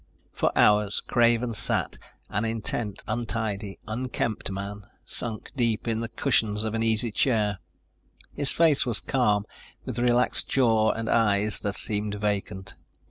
For hours Craven sat, an intent, untidy, unkempt man, sunk deep in the cushions of an easy chair. His face was calm, with relaxed jaw and eyes that seemed vacant.